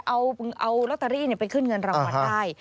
เอาลอตเตอรี่ไปขึ้นเงินรางวัลได้